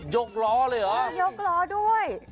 กล้อเลยเหรอยกล้อด้วย